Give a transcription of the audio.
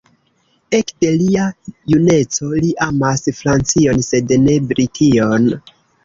Ekde lia juneco li amas Francion sed ne Brition.